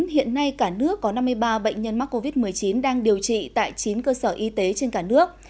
hiện nay cả nước có năm mươi ba bệnh nhân mắc covid một mươi chín đang điều trị tại chín cơ sở y tế trên cả nước